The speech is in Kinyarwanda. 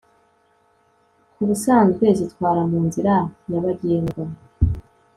ku busanzwe zitwara mu nzira nyabagendwa